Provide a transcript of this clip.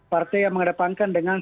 partai yang menghadapkan dengan